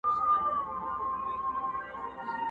چي دي غوښتل هغه تللي دي له وخته،